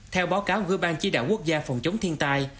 theo báo cáo hứa ban chí đạo quốc gia phòng chống thiên tai